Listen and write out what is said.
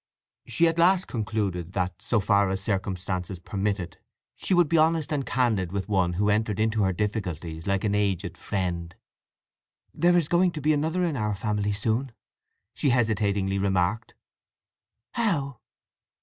She at last concluded that, so far as circumstances permitted, she would be honest and candid with one who entered into her difficulties like an aged friend. "There is going to be another in our family soon," she hesitatingly remarked. "How?"